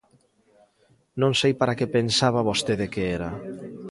Non sei para que pensaba vostede que era.